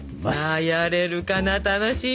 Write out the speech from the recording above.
さあやれるかな楽しみ！